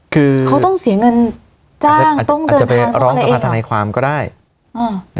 คือเขาต้องเสียเงินจ้างอาจจะต้องอาจจะไปร้องสภาธนายความก็ได้อ่า